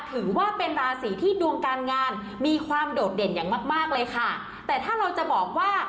ถือว่าเป็นราศีที่ดวงการงานมีความโดดเด่นอย่างมากมากเลยค่ะแต่ถ้าเราจะบอกว่า